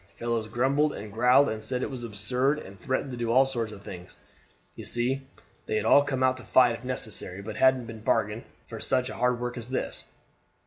Fellows grumbled and growled and said it was absurd, and threatened to do all sorts of things. You see, they had all come out to fight if necessary, but hadn't bargained for such hard work as this.